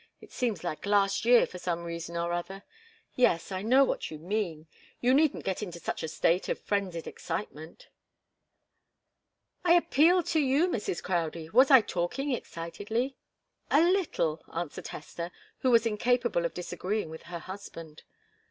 It seems like last year, for some reason or other. Yes, I know what you mean. You needn't get into such a state of frenzied excitement." "I appeal to you, Mrs. Crowdie was I talking excitedly?" "A little," answered Hester, who was incapable of disagreeing with her husband.